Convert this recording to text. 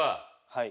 はい！